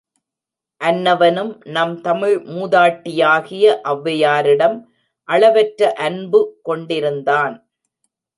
அன்னவனும் நம் தமிழ் மூதாட்டியாகிய ஒளவையாரிடம் அளவற்ற அன்புகொண்டிருந்தான்.